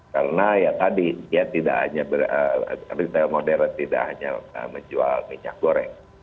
karena ya tadi ya tidak hanya retail modern tidak hanya menjual minyak goreng